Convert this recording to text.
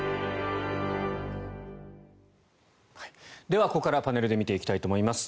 ではここからパネルで見ていきたいと思います。